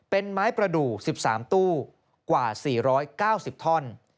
เป็นไม้ประดูก๑๓ตู้กว่า๔๙๐ท่อน